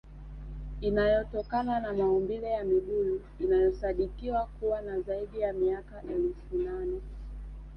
Inayotokana na maumbile ya mibuyu inayosadikiwa kuwa na zaidi ya miaka elfu nane